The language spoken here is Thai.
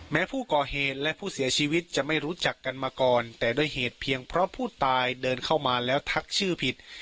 แม้ผู้ก่อเหตุและผู้เสียชีวิตจะไม่รู้จักกันมาก่อนแต่ด้วยเหตุเพียงเพราะผู้ตายเดินเข้ามาแล้วทักชื่อผิด